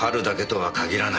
はい。